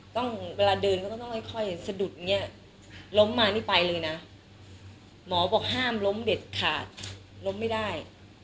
เวลาเดินก็ต้องค่อยสะดุดอย่างนี้ล้มมานี่ไปเลยนะหมอบอกห้ามล้มเด็ดขาดล้มไม่ได้